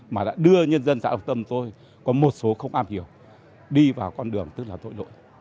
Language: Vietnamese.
mà đã đưa nhân dân xã lộc tâm tôi có một số không am hiểu đi vào con đường tức là tội lỗi